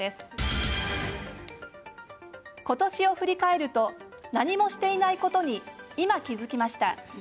ことしを振り返ると何もしていないことに今、気付きました。